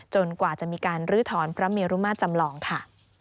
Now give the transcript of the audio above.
กว่าจะมีการลื้อถอนพระเมรุมาตรจำลองค่ะ